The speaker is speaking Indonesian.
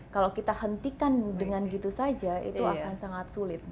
kalau kita hentikan dengan gitu saja itu akan sangat sulit